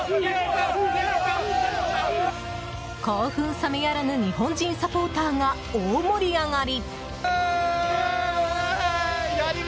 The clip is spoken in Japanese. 興奮冷めやらぬ日本人サポーターが大盛り上がり。